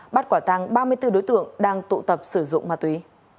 bắt quả tăng ba mươi bốn đối tượng đang tụ tập sử dụng ma túy